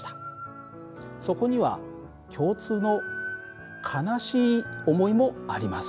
そこには共通の悲しい思いもあります。